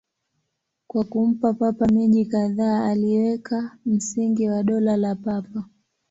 Kwa kumpa Papa miji kadhaa, aliweka msingi wa Dola la Papa.